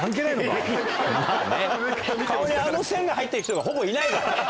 まぁね顔にあの線が入ってる人がほぼいないから。